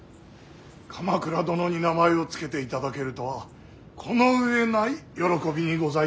鎌倉殿に名前を付けていただけるとはこの上ない喜びにございます。